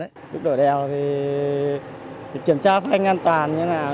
lúc đổi đèo thì kiểm tra phanh an toàn như thế nào